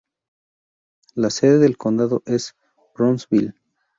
La sede del condado es Brownsville.